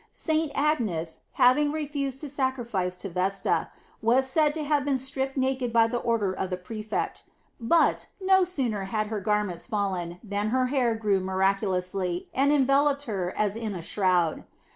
St. Agnes, having refused to sacrifice to Vesta, was said to have been stripped naked by the order of the prefect; but, no sooner had her garments fallen, than her hair grew miraculously, and enveloped her as in a shroud.